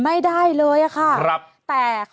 อันนี้คือ